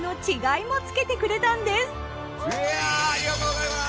いやぁありがとうございます！